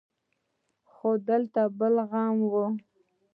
خو دلته بيا بل غم و.